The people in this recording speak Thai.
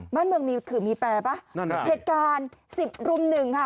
บ้านเมืองมีขื่อมีแปรป่ะนั่นฮะเหตุการณ์สิบรุมหนึ่งค่ะ